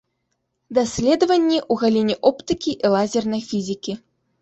Даследаванні ў галіне оптыкі і лазернай фізікі.